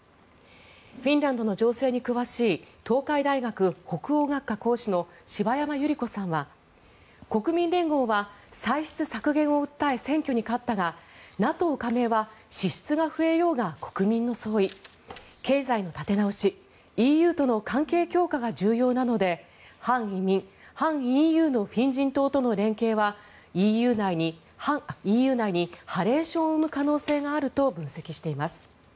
フィンランドの情勢に詳しい東海大学北欧学科講師の柴山由理子さんは国民連合は歳出削減を訴え選挙に勝ったがＮＡＴＯ加盟は支出が増えようが国民の総意経済の立て直しＥＵとの関係強化が重要なので反移民・反ＥＵのフィン人党との連携はＥＵ内にハレーションを生む可能性があると分析しています。